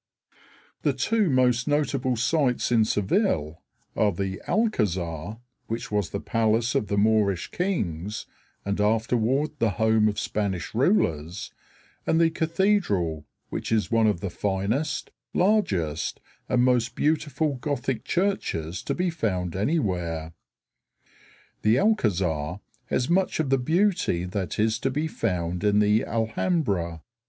_] The two most notable sights in Seville are the Alcázar, which was the palace of the Moorish kings and afterward the home of Spanish rulers, and the cathedral, which is one of the finest, largest, and most beautiful Gothic churches to be found anywhere. The Alcázar has much of the beauty that is to be found in the Alhambra.